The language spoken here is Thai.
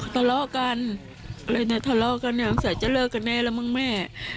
ทะเลาะกันอะไรทะเลาะกันตอนสักจะเลิกกันแน่แล้วมันแม่